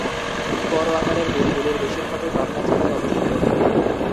বড় আকারের বিলগুলির বেশিরভাগই পাবনা জেলায় অবস্থিত।